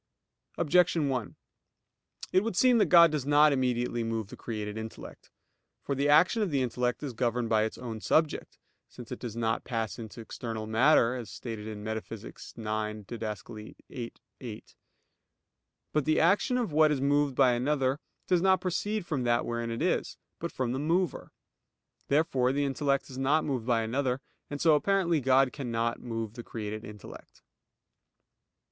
Objection 1: It would seem that God does not immediately move the created intellect. For the action of the intellect is governed by its own subject; since it does not pass into external matter; as stated in Metaph. ix, Did. viii, 8. But the action of what is moved by another does not proceed from that wherein it is; but from the mover. Therefore the intellect is not moved by another; and so apparently God cannot move the created intellect.